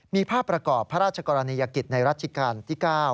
มีภาพประกอบพระราชกรณียกิจในรัชกาลที่๙